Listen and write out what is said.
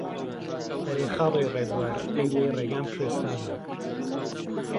ئهرێ خاڵۆی رێبوار، ئهی وهی رێگام کوێستانه